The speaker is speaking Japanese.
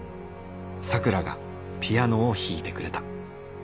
咲良がピアノを弾いてくれた。